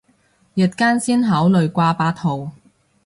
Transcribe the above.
日間先考慮掛八號